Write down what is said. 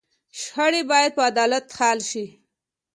شخړې باید په عدالت حل شي.